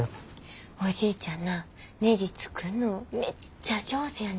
おじいちゃんなねじ作んのめっちゃ上手やねんで。